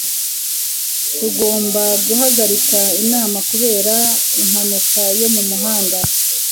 tugomba guhagarika inama kubera impanuka yo mu muhanda